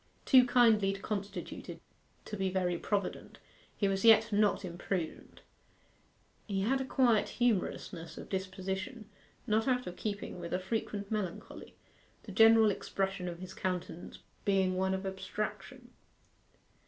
Too kindly constituted to be very provident, he was yet not imprudent. He had a quiet humorousness of disposition, not out of keeping with a frequent melancholy, the general expression of his countenance being one of abstraction.